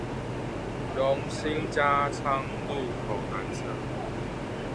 榮新加昌路口南側